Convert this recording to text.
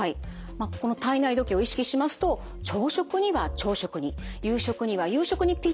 まあこの体内時計を意識しますと朝食には朝食に夕食には夕食にピッタリの料理があるんです。